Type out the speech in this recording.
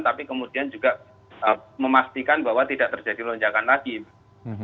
tapi kemudian juga memastikan bahwa tidak terjadi lonjakan lagi mbak